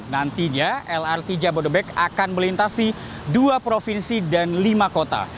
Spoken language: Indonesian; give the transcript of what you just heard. nantinya lrt jabodebek akan melintasi dua provinsi dan lima kota